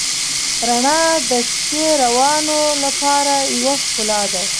رڼا د شپهروانو لپاره یوه ښکلا ده.